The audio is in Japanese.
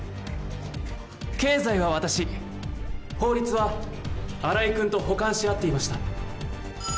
経済は私、法律は新井君と補完し合っていました。